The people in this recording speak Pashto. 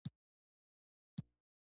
بېنډۍ د ستړیا له منځه وړو کې مرسته کوي